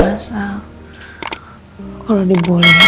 pengen kesana pasti gak dipengesal pengesal